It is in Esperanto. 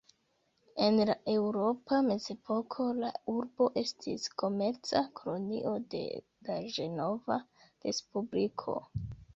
En la eŭropa mezepoko, la urbo estis komerca kolonio de la Ĝenova Respubliko.